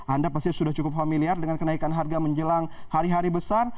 anda pasti sudah cukup familiar dengan kenaikan harga menjelang hari hari besar